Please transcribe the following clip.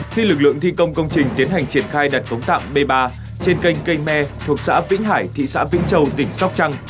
khi lực lượng thi công công trình tiến hành triển khai đặt cống tạm b ba trên kênh cây me thuộc xã vĩnh hải thị xã vĩnh châu tỉnh sóc trăng